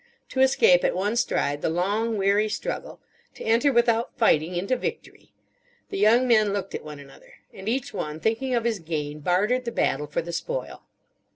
To escape at one stride the long, weary struggle; to enter without fighting into victory! The young men looked at one another. And each one, thinking of his gain, bartered the battle for the spoil.